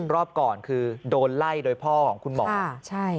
รอบก่อนคือโดนไล่โดยพ่อของคุณหมอใช่